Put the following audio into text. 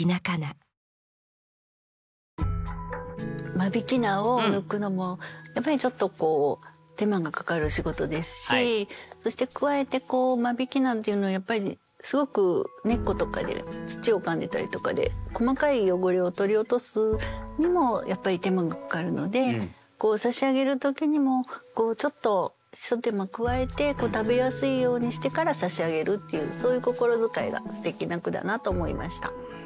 間引菜を抜くのもやっぱりちょっと手間がかかる仕事ですしそして加えて間引菜っていうのはやっぱりすごく根っことかで土をかんでたりとかで細かい汚れを取り落とすにもやっぱり手間がかかるので差し上げる時にもちょっと一手間加えて食べやすいようにしてから差し上げるっていうそういう心遣いがすてきな句だなと思いました。